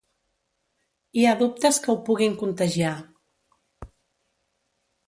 Hi ha dubtes que ho puguin contagiar.